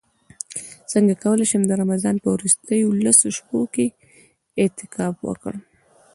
څنګه کولی شم د رمضان په وروستیو لسو شپو کې اعتکاف وکړم